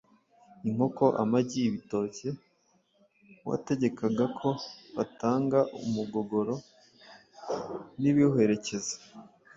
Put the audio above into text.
inkoko, amagi, ibitoke... Uwategekaga ko batanga umugogoro n'ibiwuherekeza